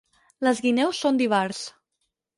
Les guineus són d'Ivars.